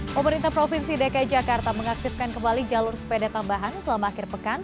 pemerintah provinsi dki jakarta mengaktifkan kembali jalur sepeda tambahan selama akhir pekan